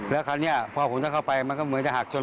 แล้วคราวนี้พอผมจะเข้าไปมันก็เหมือนจะหักชน